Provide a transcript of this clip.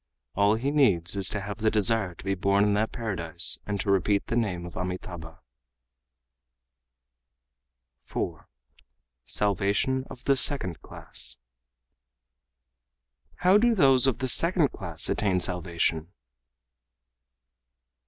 All he needs is to have the desire to be born in that paradise and to repeat the name of Amitabha." 4. Salvation of the Second Class "How do those of the second class attain salvation?"